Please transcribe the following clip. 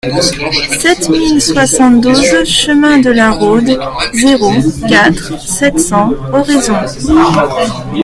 sept mille soixante-douze chemin de la Rhôde, zéro quatre, sept cents, Oraison